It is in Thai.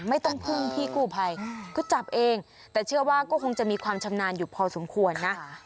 ไม่ต้องพึ่งพี่กู้ภัยก็จับเองแต่เชื่อว่าก็คงจะมีความชำนาญอยู่พอสมควรนะ